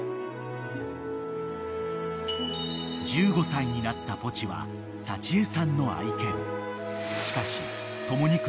［１５歳になったポチは幸枝さんの愛犬］